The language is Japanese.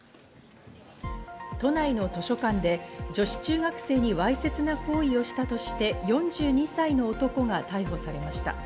都内の図書館で女子中学生にわいせつな行為をしたとして、４２歳の男が逮捕されました。